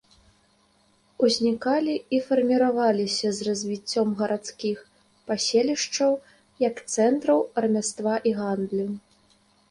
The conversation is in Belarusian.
Узнікалі і фарміраваліся з развіццём гарадскіх паселішчаў як цэнтраў рамяства і гандлю.